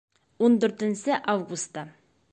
Ун дүртенсе августа